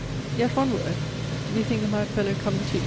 Yet one word; we think the mad fellow coming to.